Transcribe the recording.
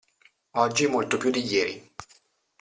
Oggi molto più di ieri.